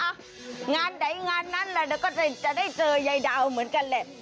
อ้าวงานไหนงานนั้นล่ะแล้วก็จะได้เจอยายดาวเหมือนกันแหละ